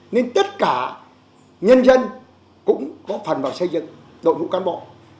nên tất cả nhân dân cũng có phần vào xây dựng đội ngũ cán bộ